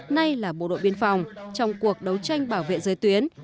nay là bộ đội biên phòng trong cuộc đấu tranh bảo vệ giới tuyến